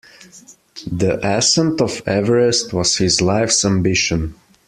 The ascent of Everest was his life's ambition